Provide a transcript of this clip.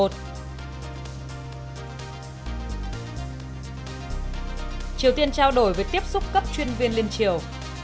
triều tiên trao đổi với tiếp xúc cấp chuyên viên liên triều